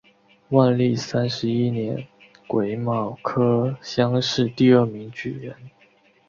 万历三十一年癸卯科乡试第二名举人。